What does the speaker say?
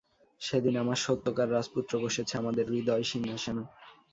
সেদিন আমার সত্যকার রাজপুত্র বসেছে আমার হৃদয়-সিংহাসনে।